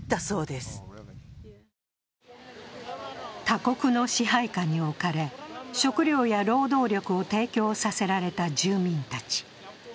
他国の支配下に置かれ、食料や労働力を提供させられた住民たち。